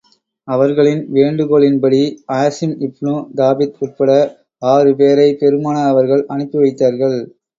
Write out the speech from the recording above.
அவர்களின் வேண்டுகோளின்படி, ஆஸிம் இப்னு தாபித் உட்பட ஆறு பேரை பெருமானார் அவர்கள் அனுப்பி வைத்தார்கள்.